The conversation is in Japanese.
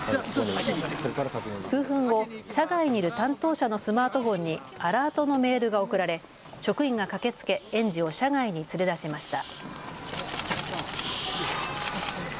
数分後、車外にいる担当者のスマートフォンにアラートのメールが送られ、職員が駆けつけ園児を車外に連れ出しました。